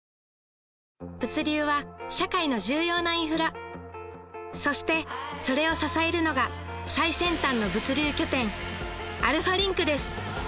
物流は社会の重要なインフラそしてそれを支えるのが最先端の物流拠点アルファリンクです